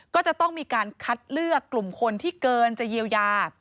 ก็จะต้องมีการคัดเลือกกลุ่มคนที่เกินจะเยียวยา